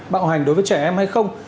bạo hành đối với trẻ em hay không